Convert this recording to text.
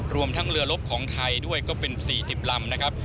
รวมทั้งเรือลบของไทยด้วยก็เป็น๔๐ลำนะครับ